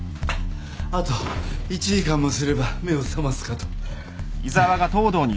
あと１時間もすれば目を覚ますかと。